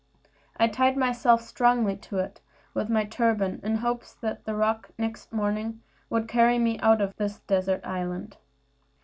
I tied myself strongly to it with my turban, in hopes that the roc next morning would carry me with her out of this desert island.